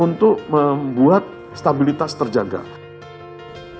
sementara itu pemerintah melihat fluktuasi rupiah yang relatif terjaga tidak mengganggu belanja modal perusahaan